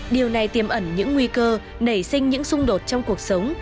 điều này tiêm ẩn những nguy cơ nảy sinh những xung đột trong cuộc sống